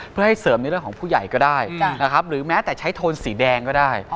ผู้ใหญ่ก็ได้หรือแม้แต่ใช้โทนสีแดงก็ได้